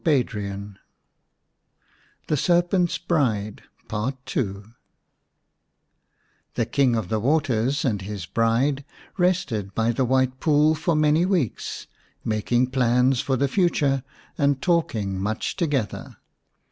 98 IX THE SERPENT'S BRIDE PART II THE King of the Waters and his bride rested by the White Pool for many weeks, making plans for the future and talking much together.